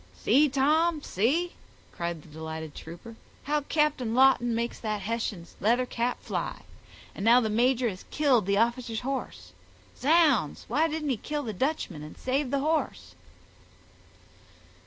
"See, Tom, see," cried the delighted trooper, "how Captain Lawton makes that Hessian's leather cap fly; and now the major has killed the officer's horse—zounds, why didn't he kill the Dutchman and save the horse?"